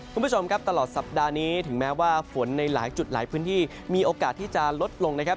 คุณผู้ชมครับตลอดสัปดาห์นี้ถึงแม้ว่าฝนในหลายจุดหลายพื้นที่มีโอกาสที่จะลดลงนะครับ